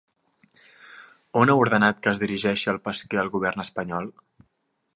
On ha ordenat que es dirigeixi el pesquer el govern espanyol?